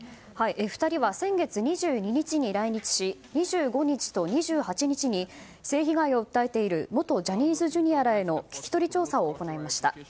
２人は先月２２日に来日し２５日と２８日に性被害を訴えている元ジャニーズＪｒ．らへの聞き取り調査を行っていました。